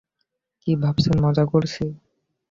কী ভাবছেন মজা করছি?